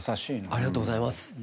ありがとうございます。